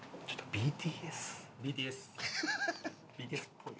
ＢＴＳっぽい。